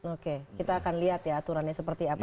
oke kita akan lihat ya aturannya seperti apa